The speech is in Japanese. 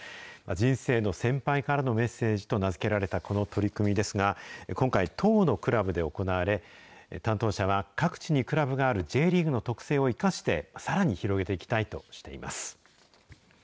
人生の先輩からのメッセージと名付けられたこの取り組みですが、今回、１０のクラブで行われ、担当者は各地にクラブがあるＪリーグの特性を生かして、さらに広げていきたいとしています。